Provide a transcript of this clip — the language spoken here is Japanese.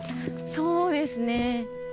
そうですね。